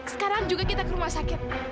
sekarang juga kita ke rumah sakit